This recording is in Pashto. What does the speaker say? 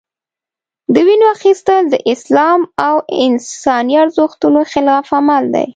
د وینو اخیستل د اسلام او انساني ارزښتونو خلاف عمل دی.